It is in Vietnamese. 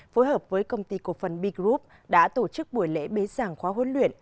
phối hợp với công ty cổ phần b group đã tổ chức buổi lễ bế giảng khóa huấn luyện